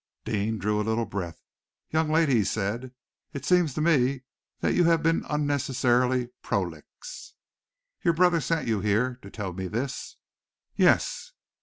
Deane drew a little breath. "Young lady," he said, "it seems to me that you have been unnecessarily prolix. Your brother sent you here to tell me this?" "Yes!"